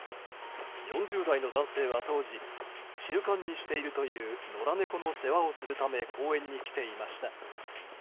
４０代の男性は当時習慣にしているという野良猫の世話をするため公園に来ていました。